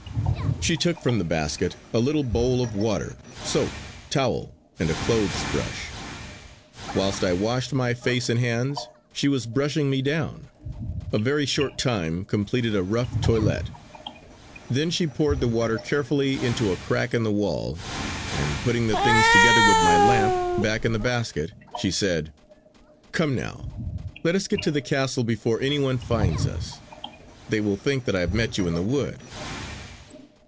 She took from the basket a little bowl of water, soap, towel and a clothes brush. Whilst I washed my face and hands she was brushing me down. A very short time completed a rough toilet. Then she poured the water carefully into a crack in the wall, and putting the things together with my lamp, back in the basket, she said: "Come now! Let us get to the Castle before any one finds us. They will think that I have met you in the wood."